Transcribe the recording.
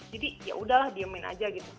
jadi yaudah lah diemin aja gitu